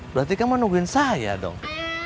berarti kamu nungguin saya dong